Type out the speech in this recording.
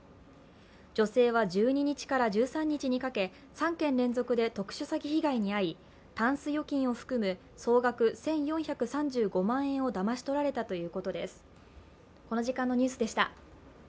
女性は１２日から１３日にかけ、３件連続で特殊詐欺被害に遭いタンス預金を含む総額１４３５万円をだまし取られたということです。